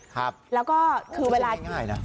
ครับแล้วก็คือเวลาไม่ได้ง่ายนะ